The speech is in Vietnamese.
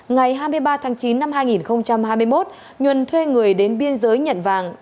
ngày hai mươi ba tháng chín năm hai nghìn hai mươi một nhuân thuê người đến biên giới nhận vàng